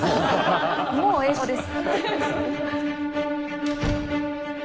もう英語です。